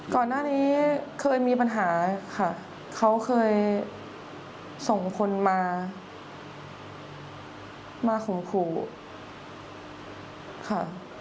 ก่อนหน้านี้เคยมีปัญหาค่ะเขาเคยส่งคนมาข่มขู่ค่ะ